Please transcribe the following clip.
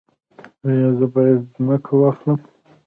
ایا زه باید ځمکه واخلم؟